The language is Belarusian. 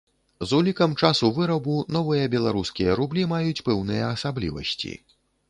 З улікам часу вырабу новыя беларускія рублі маюць пэўныя асаблівасці.